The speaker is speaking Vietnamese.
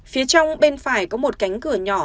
phía trong bên phải có một cánh cửa nhỏ